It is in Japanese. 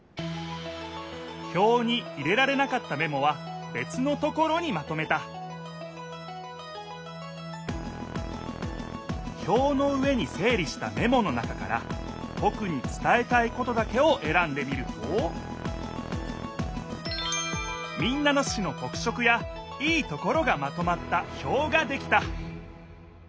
ひょうに入れられなかったメモはべつのところにまとめたひょうの上に整理したメモの中からとくにつたえたいことだけをえらんでみると民奈野市のとく色やいいところがまとまったひょうができた！